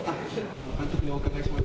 監督にお伺いします。